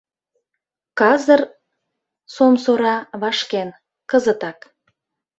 Казыр — сомсора, вашкен, кызытак.